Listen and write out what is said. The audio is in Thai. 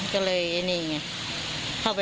ครับ